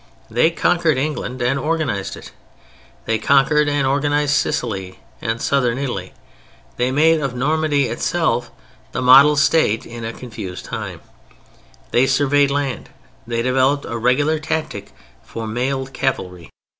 They conquered England and organized it; they conquered and organized Sicily and Southern Italy; they made of Normandy itself the model state in a confused time; they surveyed land; they developed a regular tactic for mailed cavalry.